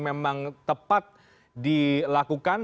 memang tepat dilakukan